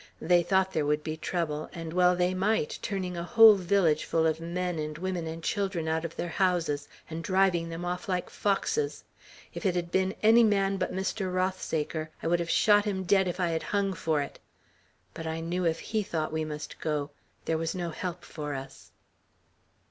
They thought there would be trouble; and well they might, turning a whole village full of men and women and children out of their houses, and driving them off like foxes. If it had been any man but Mr. Rothsaker, I would have shot him dead, if I had hung for it; but I knew if he thought we must go, there was no help for us."